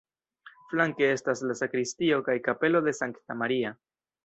Flanke estas la sakristio kaj kapelo de Sankta Maria.